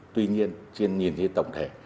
tuy nhiên trên nhìn như tổng thể